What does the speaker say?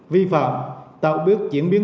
vi phạm tạo bước diễn biến